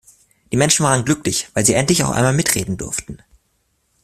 Die Menschen waren glücklich, weil sie endlich auch einmal mitreden durften.